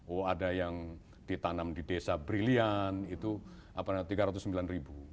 oh ada yang ditanam di desa brilian itu rp tiga ratus sembilan ribu